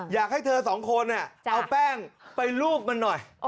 อยากให้เธอสองคนเอาแป้งไปรูปมันหน่อย